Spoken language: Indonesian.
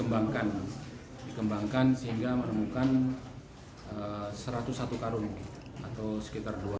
dikembangkan dikembangkan sehingga menemukan satu ratus satu karung atau sekitar